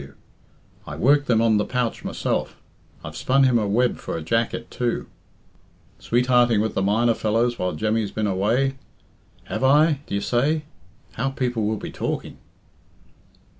W. I worked them on the pouch myself. I've spun him a web for a jacket, too. Sweethearting with the miner fellows while Jemmy's been away? Have I, d'ye say? How people will be talking!"